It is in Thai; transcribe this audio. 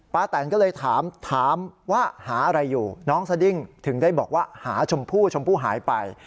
แตนก็เลยถามถามว่าหาอะไรอยู่น้องสดิ้งถึงได้บอกว่าหาชมพู่ชมพู่หายไป